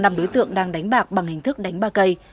năm đối tượng đang đánh bạc bằng hình thức đánh ba cây